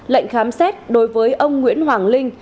lệnh khám xét đối với ông nguyễn hoàng linh